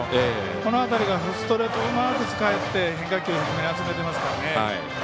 その辺りストレートうまく使って変化球低めに集めてますからね。